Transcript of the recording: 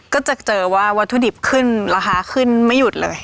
ก็จะเจอว่าวัตถุดิบขึ้นราคาขึ้นไม่หยุดเลย